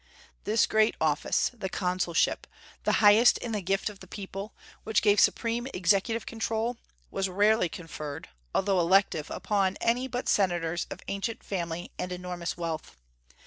This great office, the consulship, the highest in the gift of the people, which gave supreme executive control, was rarely conferred, although elective, upon any but senators of ancient family and enormous wealth.